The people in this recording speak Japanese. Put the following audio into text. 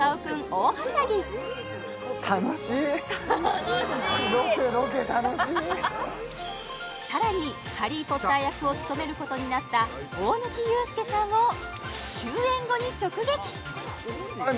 大はしゃぎ楽しいさらにハリー・ポッター役を務めることになった大貫勇輔さんを終演後に直撃！